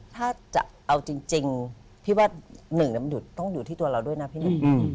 ถ้าจะเอาจริงพี่ว่าหนึ่งมันหยุดต้องอยู่ที่ตัวเราด้วยนะพี่หนุ่ม